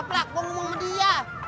tapi laku ngumum dia